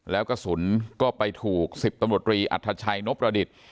แล้วกระสุนก็ไปถูก๑๐ตำรวจรีอัธชัยนพประดิษฐ์